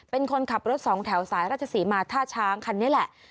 เป็นคนขับรถสองแถวสายราชศรีมาท่าช้างคันนี้แหละ